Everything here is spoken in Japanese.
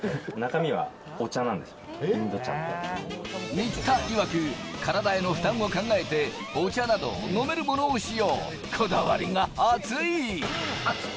新田いわく、体への負担を考えて、お茶など飲めるものを使用、こだわりがアツい！